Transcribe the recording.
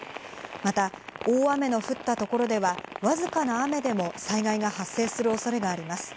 また大雨の降ったところではわずかな雨でも災害が発生する恐れがあります。